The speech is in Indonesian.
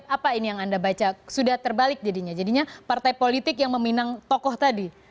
apa ini yang anda baca sudah terbalik jadinya jadinya partai politik yang meminang tokoh tadi